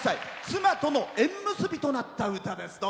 妻との縁結びとなった歌です。